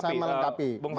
saya mau lengkapi